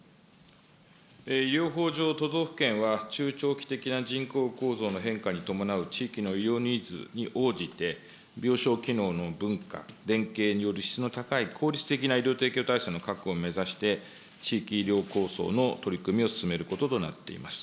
医療法上、都道府県は中長期的な人口構造の変化に伴う地域の医療ニーズに応じて、病床機能の分科、連携により質の高い効率的な医療提供体制の確保を目指して、地域医療構想の取り組みを進めることとなっています。